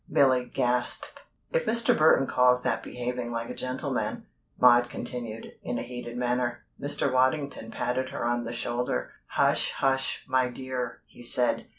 Milly gasped. "If Mr. Burton calls that behaving like a gentleman " Maud continued, in a heated manner Mr. Waddington patted her on the shoulder. "Hush, hush, my dear!" he said.